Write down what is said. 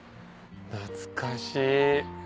懐かしい。